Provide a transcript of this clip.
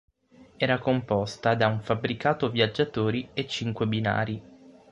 Era composta da un fabbricato viaggiatori e cinque binari